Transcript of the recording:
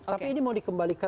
jadi itu harus diperbaiki